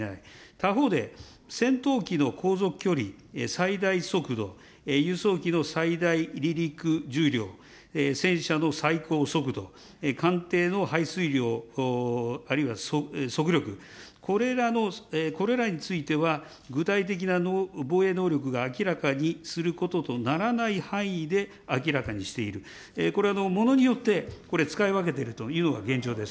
他方で、戦闘機の航続距離、最大速度、輸送機の最大離陸重量、戦車の最高速度、艦艇のはいすい量、あるいは速力、これらについては、具体的な防衛能力が明らかにすることとならない範囲で明らかにしている、これ、ものによって、これ、使い分けているというのが現状です。